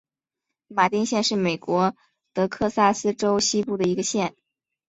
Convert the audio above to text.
马丁县是美国德克萨斯州西部的一个县。